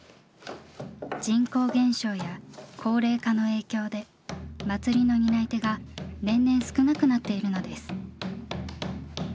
人口減少や高齢化の影響で祭りの担い手が年々少なくなっているのです。